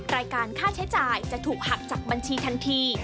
รายการค่าใช้จ่ายจะถูกหักจากบัญชีทันที